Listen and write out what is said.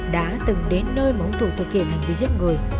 đã từng đến nơi mà ông thủ thực hiện hành vi giết người